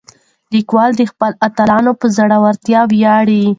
لیکوال د خپلو اتلانو په زړورتیا ویاړي.